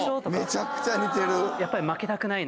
めちゃくちゃ似てる。